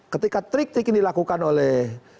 ketika trik trik ini dilakukan oleh